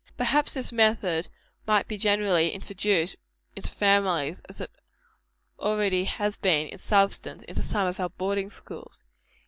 Perhaps this method might be generally introduced into families, as it has already been, in substance, into some of our boarding schools.